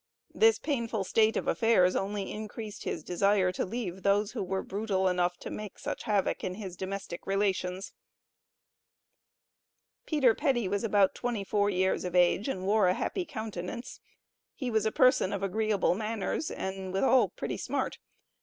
This painful state of affairs only increased his desire to leave those who were brutal enough to make such havoc in his domestic relations. PETER PETTY was about twenty four years of age, and wore a happy countenance; he was a person of agreeable manners, and withal pretty smart.